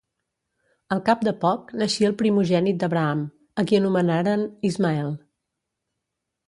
Al cap de poc naixia el primogènit d'Abraham, a qui anomenaren Ismael.